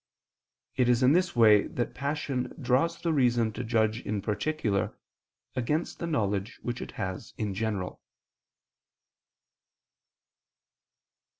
It is in this way that passion draws the reason to judge in particular, against the knowledge which it has in general.